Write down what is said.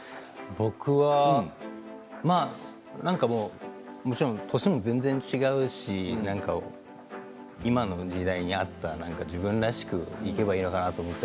僕は、まあもちろん年も全然違うし今の時代に合った自分らしくいけばいいのかなと。